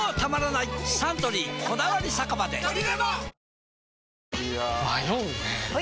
いや迷うねはい！